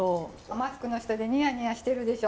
マスクの下でニヤニヤしてるでしょ？